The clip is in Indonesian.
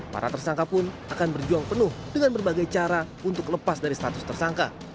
para tersangka pun akan berjuang penuh dengan berbagai cara untuk lepas dari status tersangka